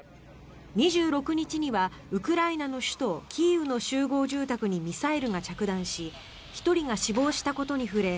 ２６日にはウクライナの首都キーウの集合住宅にミサイルが着弾し１人が死亡したことに触れ